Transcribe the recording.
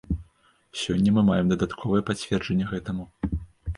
Сёння мы маем дадатковае пацверджанне гэтаму.